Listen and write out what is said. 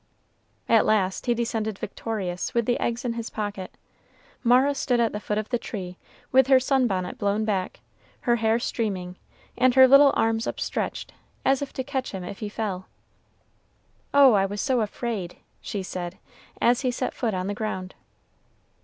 At last he descended victorious, with the eggs in his pocket. Mara stood at the foot of the tree, with her sun bonnet blown back, her hair streaming, and her little arms upstretched, as if to catch him if he fell. "Oh, I was so afraid!" she said, as he set foot on the ground.